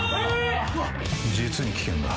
実に危険だ。